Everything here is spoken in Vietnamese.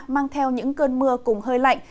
mang theo những cơn mưa cùng hơi lạnh